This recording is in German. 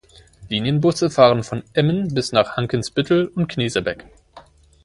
Linienbusse fahren von Emmen bis nach Hankensbüttel und Knesebeck.